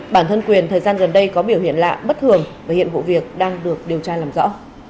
bản thân quyền thời gian gần đây có biểu hiện lạ bất thường và hiện vụ việc đang được điều tra làm rõ